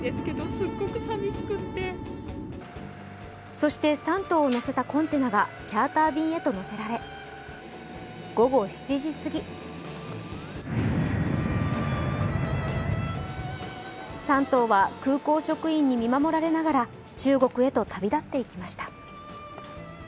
そして３頭を乗せたコンテナはチャーター便へと乗せられ、午後７すぎ３頭は空港職員に見守られながら、中国へと旅立っていきました。